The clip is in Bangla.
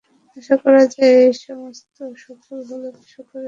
আশা করা যায় এই প্রস্তাবনা সফল হলে প্রশাসকেরা কিছুটা হলেও সক্রিয় হবেন।